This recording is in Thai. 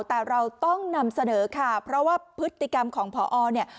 แต่เราต้องนำเสนอค่ะเพราะว่าพฤติกรรมของพอเนี่ย